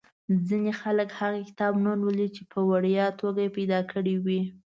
ځینې خلک هغه کتاب نه لولي چې په وړیا توګه یې پیدا کړی وي.